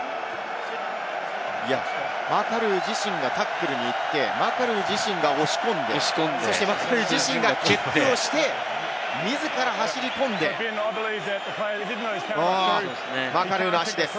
いや、マカルー自身がタックルに行って、マカルー自身が押し込んで、そして、マカルー自身が蹴って、キックをして、自ら走り込んでマカルーの足です。